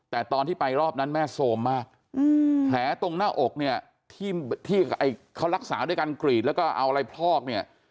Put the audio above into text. แต่ตอนที่ไปรอบนั้นแม่โซมมากแผลตรงหน้าอกเนี่ยที่เขารักษาด้วยการกรีดแล้วก็เอาอะไรพลอกเนี่ย